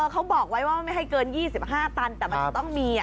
เขาบอกไว้ว่าไม่ให้เกิน๒๕ตันแต่มันจะต้องมี